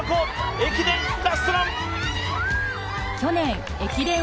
駅伝ラストラン！